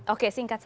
oke singkat saja